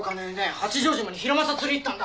八丈島にヒラマサ釣り行ったんだ。